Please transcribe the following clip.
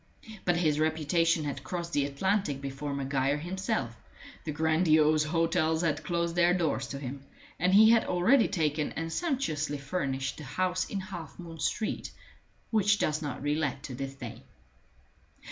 But his reputation had crossed the Atlantic before Maguire himself; the grandiose hotels had closed their doors to him; and he had already taken and sumptuously furnished the house in Half moon Street which does not re let to this day.